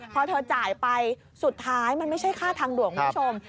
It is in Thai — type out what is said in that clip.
มันจ่ายไปสุดท้ายมันไม่ใช่ค่าทางด่วน